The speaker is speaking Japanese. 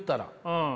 うん。